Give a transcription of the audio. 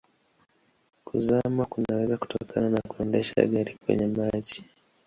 Kuzama kunaweza kutokana na kuendesha gari kwenye maji.